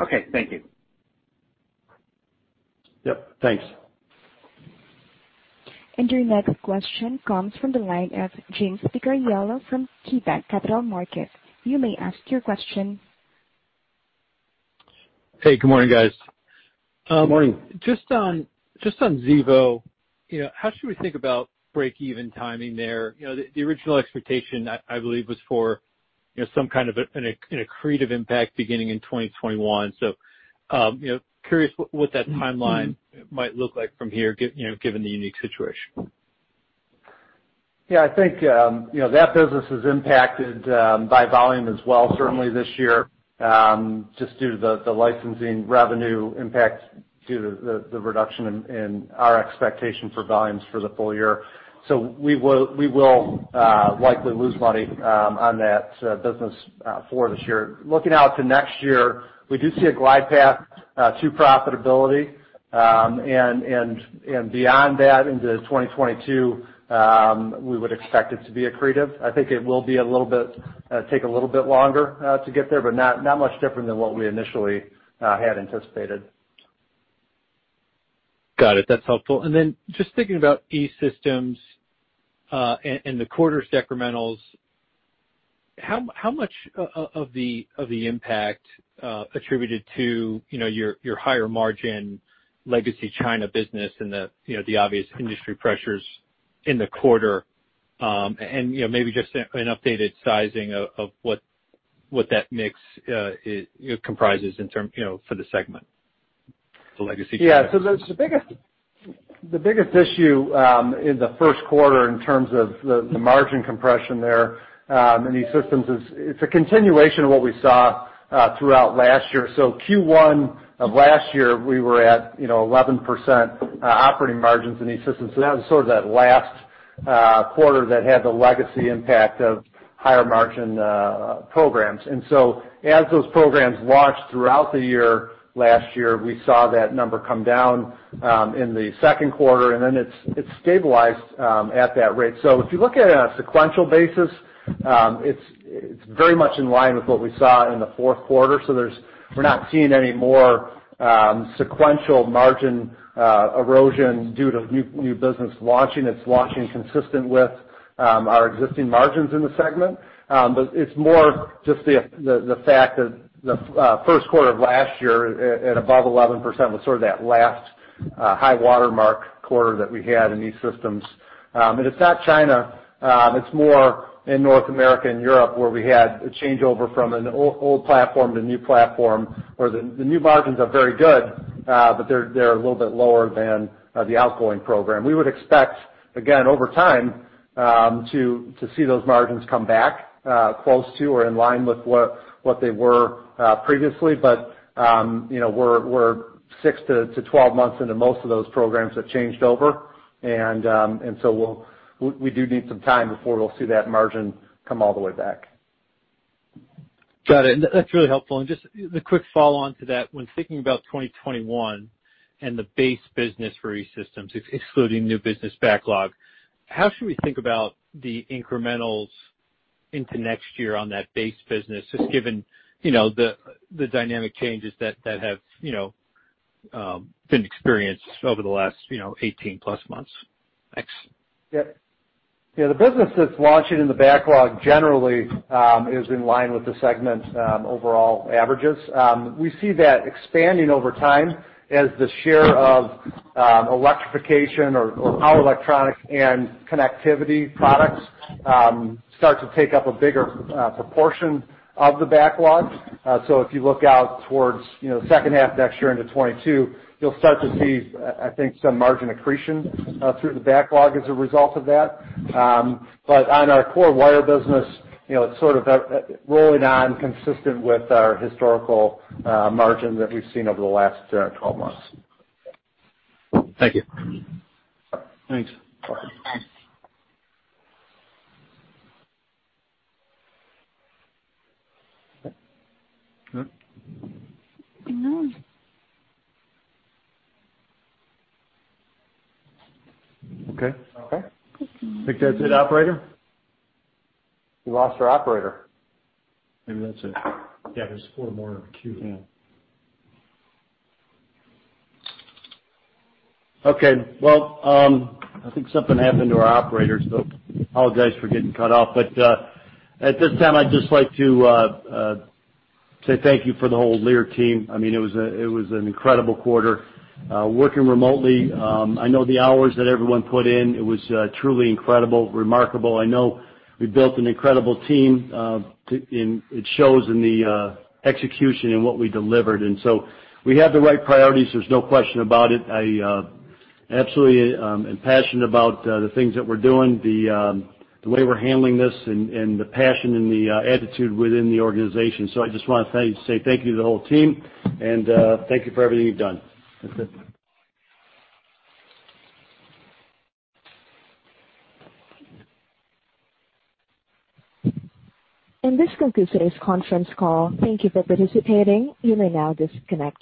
Okay, thank you. Yep, thanks. Your next question comes from the line of James Picariello from KeyBanc Capital Markets. You may ask your question. Hey, good morning, guys. Good morning. Just on Xevo, how should we think about break-even timing there? The original expectation, I believe, was for some kind of an accretive impact beginning in 2021. Curious what that timeline might look like from here, given the unique situation. Yeah, I think that business is impacted by volume as well, certainly this year, just due to the licensing revenue impact due to the reduction in our expectation for volumes for the full-year. We will likely lose money on that business for this year. Looking out to next year, we do see a glide path to profitability. Beyond that into 2022, we would expect it to be accretive. I think it will take a little bit longer to get there, but not much different than what we initially had anticipated. Got it. That's helpful. Then just thinking about E-Systems, and the quarter's decrementals, how much of the impact attributed to your higher margin legacy China business and the obvious industry pressures in the quarter? Maybe just an updated sizing of what that mix comprises for the segment. The biggest issue in the first quarter in terms of the margin compression there in E-Systems, it's a continuation of what we saw throughout last year. Q1 of last year, we were at 11% operating margins in E-Systems. That was sort of that last quarter that had the legacy impact of higher-margin programs. As those programs launched throughout the year last year, we saw that number come down in the 2nd quarter, and then it stabilized at that rate. If you look at it on a sequential basis, it's very much in line with what we saw in the 4th quarter. We're not seeing any more sequential margin erosion due to new business launching. It's launching consistent with our existing margins in the segment. It's more just the fact that the first quarter of last year at above 11% was sort of that last high watermark quarter that we had in E-Systems. It's not China, it's more in North America and Europe, where we had a changeover from an old platform to a new platform, where the new margins are very good, but they're a little bit lower than the outgoing program. We would expect, again, over time, to see those margins come back close to or in line with what they were previously. We're 6-12 months into most of those programs that changed over. We do need some time before we'll see that margin come all the way back. Got it. That's really helpful. Just a quick follow-on to that. When thinking about 2021 and the base business for E-Systems, excluding new business backlog, how should we think about the incrementals into next year on that base business, just given the dynamic changes that have been experienced over the last 18+ months? Thanks. The business that's launching in the backlog generally is in line with the segment's overall averages. We see that expanding over time as the share of electrification or power electronic and connectivity products start to take up a bigger proportion of the backlog. If you look out towards the second half of next year into 2022, you'll start to see, I think, some margin accretion through the backlog as a result of that. On our core wire business, it's sort of rolling on consistent with our historical margin that we've seen over the last 12 months. Thank you. Thanks. Thanks. Okay. Okay. I think that's it, operator. We lost our operator. Maybe that's it. Yeah, there's four more in the queue. Okay. Well, I think something happened to our operator, apologize for getting cut off. At this time, I'd just like to say thank you for the whole Lear team. It was an incredible quarter working remotely. I know the hours that everyone put in, it was truly incredible, remarkable. I know we built an incredible team. It shows in the execution and what we delivered. We have the right priorities, there's no question about it. I absolutely am passionate about the things that we're doing, the way we're handling this, and the passion and the attitude within the organization. I just want to say thank you to the whole team, and thank you for everything you've done. That's it. This concludes today's conference call. Thank you for participating. You may now disconnect.